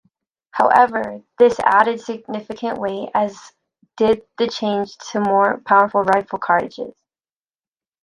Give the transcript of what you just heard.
However, this added significant weight, as did the change to more powerful rifle cartridges.